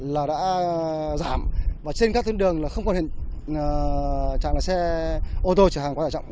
là đã giảm và trên các thương đường là không còn hình trạng là xe ô tô trở hàng quá tải trọng